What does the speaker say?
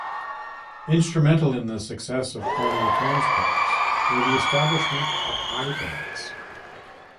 Instrumental in the success of cornea transplants were the establishment of eye banks.